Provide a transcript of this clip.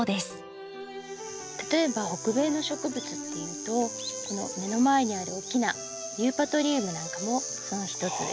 例えば北米の植物っていうとこの目の前にある大きなユーパトリウムなんかもその一つで。